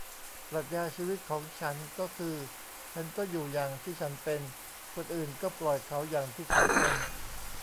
ปรัชญาชีวิตของฉันก็คือ ฉันก็อยู่อย่างที่ฉันเป็น คนอื่นก็ปล่อยเขาอย่างที่เขาเป็น